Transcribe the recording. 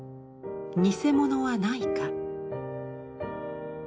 偽物はないか。